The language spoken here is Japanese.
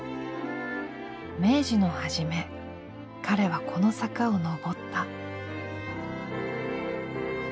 明治の初め彼はこの坂を登った。